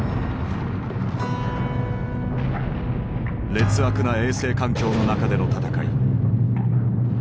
劣悪な衛生環境の中での戦い。